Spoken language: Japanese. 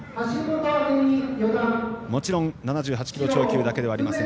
もちろん７８キロ超級だけではありません。